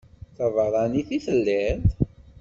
D tabeṛṛanit i telliḍ?